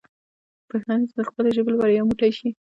پښتانه دې د خپلې ژبې لپاره یو موټی شي.